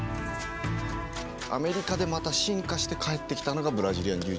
アメリカでまた進化して帰ってきたのがブラジリアン柔術。